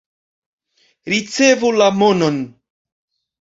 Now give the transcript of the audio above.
Ricevu la monon.